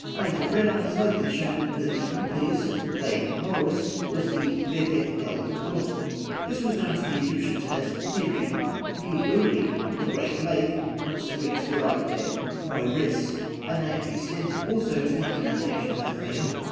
Major Brown has lately shown that the nucleus of "Lake Moeris" was the Birket el Kûrûn. This was known to the Egyptians as Miri, Mi ûri, the Great Lake, whence the Greeks derived their Moiris a name extended also to the inundation of the Fayûm.